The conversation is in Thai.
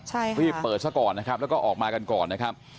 ใช่ค่ะรีบเปิดซะก่อนนะครับแล้วก็ออกมากันก่อนนะครับ